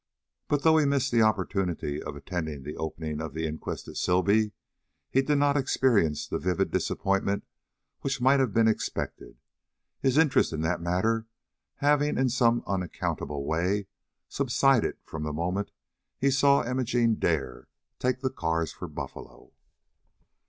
But though he thus missed the opportunity of attending the opening of the inquest at Sibley, he did not experience the vivid disappointment which might have been expected, his interest in that matter having in some unaccountable way subsided from the moment he saw Imogene Dare take the cars for Buffalo.